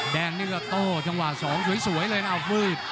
แดงนี่ก็โต้จังหวะ๒สวยเลยนะมืด